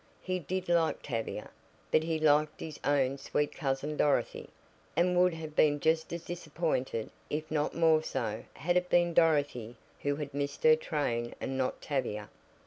He did like Tavia, but he liked his own sweet cousin Dorothy, and would have been just as disappointed, if not more so, had it been Dorothy who had missed her train and not Tavia.